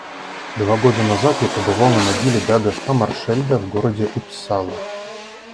Два года назад я побывал на могиле Дага Хаммаршельда в городе Уппсала.